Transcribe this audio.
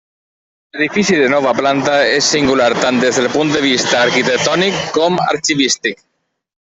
L’edifici de nova planta és singular tant des del punt de vista arquitectònic com arxivístic.